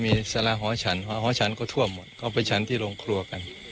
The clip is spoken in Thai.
มีสาราหอฉันหอฉันก็ทั่วหมดก็ไปฉันที่โรงครัวกัน